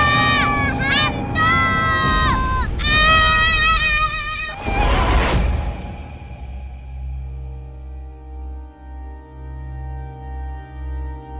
tidak ada yang mau main